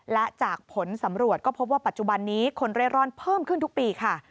และจากผลสำรวจก็พบว่าปัจจุบันนี้คนเร่ร่อนเพิ่มขึ้นทุกปีค่ะ